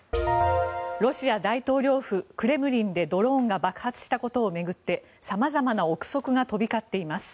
ロシア大統領府、クレムリンでドローンが爆発したことを巡って様々な臆測が飛び交っています。